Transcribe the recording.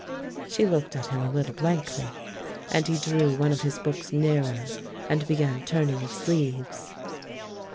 She looked at him a little blankly, and he drew one of his books nearer and began turning its leaves.